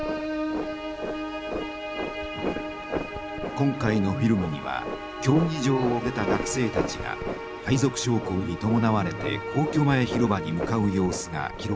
今回のフィルムには競技場を出た学生たちが配属将校に伴われて皇居前広場に向かう様子が記録されていました。